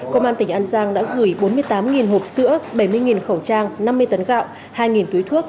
công an tỉnh an giang đã gửi bốn mươi tám hộp sữa bảy mươi khẩu trang năm mươi tấn gạo hai túi thuốc